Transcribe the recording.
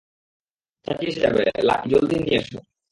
চাচি এসে যাবে, লাকি, জলদি নিয়ে এসো।